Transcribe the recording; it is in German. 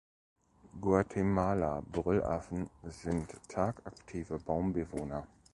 Guatemala-Brüllaffen sind tagaktive Baumbewohner.